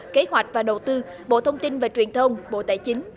kế hoạch và đầu tư bộ thông tin và truyền thông bộ tài chính